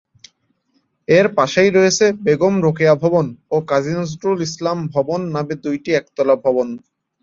এর পাশেই রয়েছে "বেগম রোকেয়া ভবন" ও "কাজী নজরুল ইসলাম ভবন" নামে দুইটি একতলা ভবন।